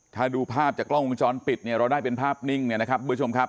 ถ้าดูภาพจากกล้องมุมช้อนปิดเนี่ยเราได้เป็นภาพนิ่งเนี่ยนะครับ